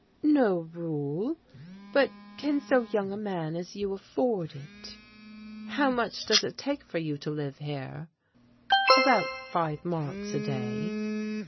"No rule, but can so young a man as you afford it?" "How much does it take for you to live here?" "About five marks a day."